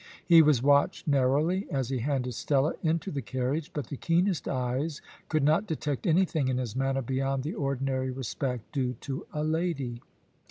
He was watched narrowly as he handed Stella into the carriage, but the keenest eyes could not detect anything in his manner beyond the ordinary respect due to a lady.